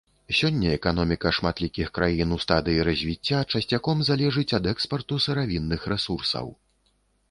Сёння эканоміка шматлікіх краін у стадыі развіцця часцяком залежыць ад экспарту сыравінных рэсурсаў.